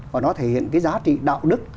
và nó thể hiện cái giá trị đạo đức